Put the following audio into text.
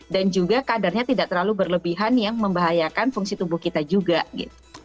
dan juga kadarnya tidak terlalu berlebihan yang membahayakan fungsi tubuh kita juga gitu